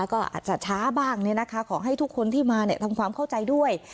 ก็อาจจะช้าบ้างขอให้ทุกคนที่มาทำความเข้าใจด้วย